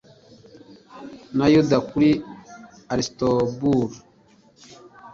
na yuda, kuri aristobule